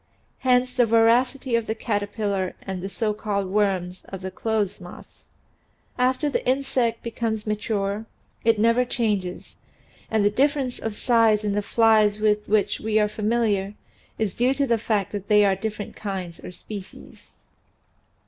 Hence the voracity of the caterpillar and the so called " worms" of clothes moths. After the insect becomes mature it never changes, and the difference of size in the flies with which we are familiar is due to the fact that they are different kinds or species.